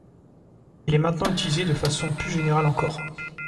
Elle est maintenant utilisée de façon plus générale encore.